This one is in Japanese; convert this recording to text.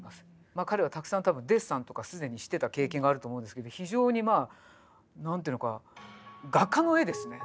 まあ彼はたくさん多分デッサンとか既にしてた経験があると思うんですけど非常にまあ何て言うのかな画家の絵ですね。